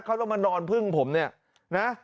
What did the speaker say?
เขาต้องมานอนพึ่งผมเนี่ยนะ